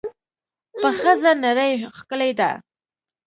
په ښځه نړۍ ښکلې ده.